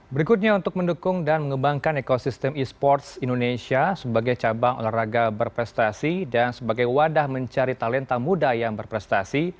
berikutnya untuk mendukung dan mengembangkan ekosistem e sports indonesia sebagai cabang olahraga berprestasi dan sebagai wadah mencari talenta muda yang berprestasi